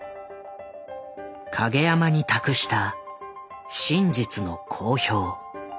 影山に託した「真実の公表」。